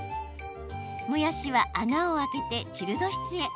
もやしは穴を開けてチルド室へ。